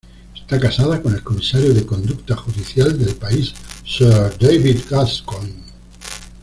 Está casada con el Comisario de Conducta Judicial del país, Sir David Gascoigne.